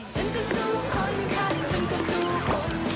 ฉันก็สู้คนกันฉันก็สู้คน